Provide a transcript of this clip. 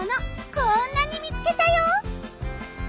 こんなにみつけたよ！